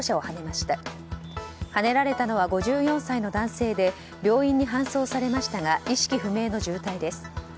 はねられたのは５４歳の男性で病院に搬送されましたが意識不明の重体です。